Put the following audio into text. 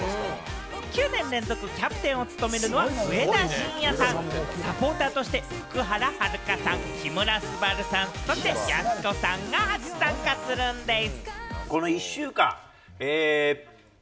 ９年連続キャプテンを務めるのは上田晋也さん、サポーターとして福原遥さん、木村昴さん、そして、やす子さんが初参加するんでぃす。